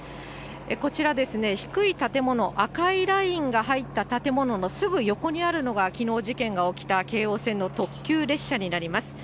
こちらですね、低い建物、赤いラインが入った建物のすぐ横にあるのが、きのう事件が起きた京王線の特急列車になります。